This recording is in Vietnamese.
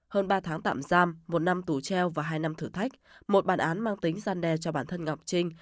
hơn ba tháng tạm giam một năm tù treo và hai năm thử thách một bản án mang tính gian đe cho bản thân ngọc trinh